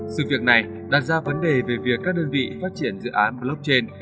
sự việc này đặt ra vấn đề về việc các đơn vị phát triển dự án blockchain